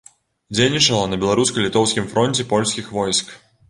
Дзейнічала на беларуска-літоўскім фронце польскіх войск.